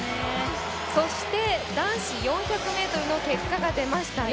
そして男子４００ｍの結果が出ましたね。